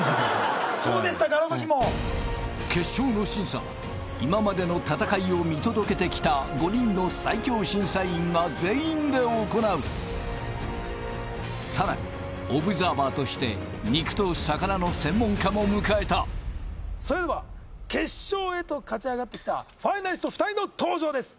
あのときも決勝の審査は今までの戦いを見届けてきた５人の最強審査員が全員で行うさらにオブザーバーとして肉と魚の専門家も迎えたそれでは決勝へと勝ち上がってきたファイナリスト２人の登場です